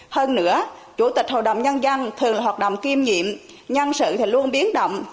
hơn nữa chủ tịch hội đồng nhân dân thường là hoạt động kiêm nhiệm nhân sự thì luôn biến động